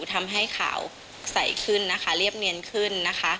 ทำให้ขาวใสขึ้นนะคะเรียบเนียนขึ้นนะคะ